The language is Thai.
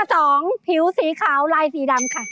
สองผิวสีขาวลายสีดำค่ะ